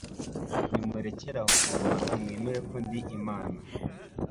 Nimurekere aho kurwana mwemere ko ndi Imana